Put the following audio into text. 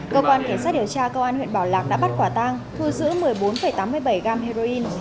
cơ quan kiểm soát điều tra công an huyện bảo lạc đã bắt quả tang thu giữ một mươi bốn tám mươi bảy gam heroin